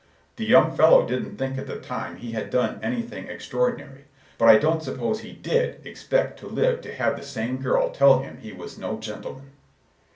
The young fellow didn't think at the time he had done anything extraordinary; but I don't suppose he did expect to live to have the same girl tell him he was no gentleman."